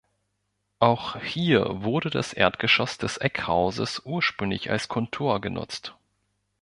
Auch hier wurde das Erdgeschoss des Eckhauses ursprünglich als Kontor genutzt.